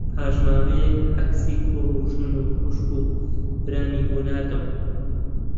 پاش ماوەیەک عەکسی کوڕ و ژن و خوشک و برامی بۆ ناردم